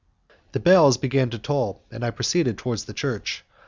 The bells begin to toll, and I proceed towards the church.